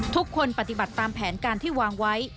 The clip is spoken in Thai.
ปฏิบัติตามแผนการที่วางไว้